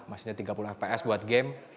maksudnya tiga puluh fps buat game